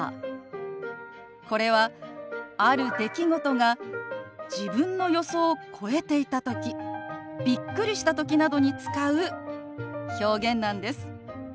これはある出来事が自分の予想を超えていたときびっくりしたときなどに使う表現なんです。